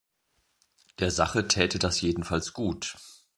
Der Sache täte das jedenfalls gut!